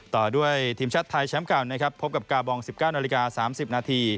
ต่อด้วยทีมชัดไทยแชมป์กันนะครับพบกับกาบอง๑๙น๓๐น